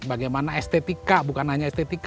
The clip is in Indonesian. bagaimana estetika bukan hanya estetika